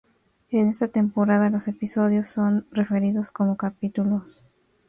En esta temporada los episodios son referidos como "capítulos".